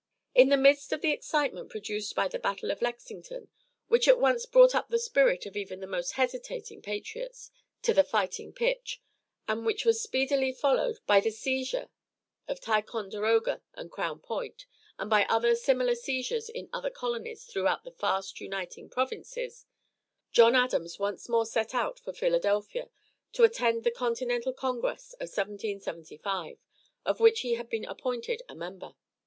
In the midst of the excitement produced by the battle of Lexington which at once brought up the spirit of even the most hesitating patriots to the fighting pitch, and which was speedily followed by the seizure of Ticonderoga and Crown Point, and by other similar seizures in other colonies throughout the fast uniting provinces John Adams once more set out for Philadelphia to attend the Continental Congress of 1775, of which he had been appointed a member.